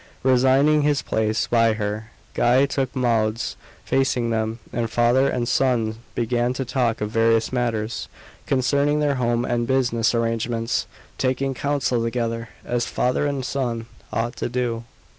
Resigning his place by her, Guy took Maud's, facing them; and father and son began to talk of various matters concerning their home and business arrangements; taking counsel together, as father and son ought to do.